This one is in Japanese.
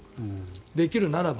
できるならば。